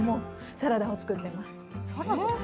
サラダを作ってます。